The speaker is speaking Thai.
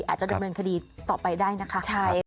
อาจจะดำเนินคดีต่อไปได้นะคะใช่ครับ